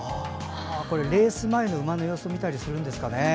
レース前の馬の様子見たりするんですかね。